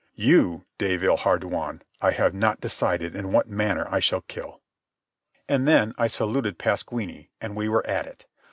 You, de Villehardouin, I have not decided in what manner I shall kill." And then I saluted Pasquini, and we were at it.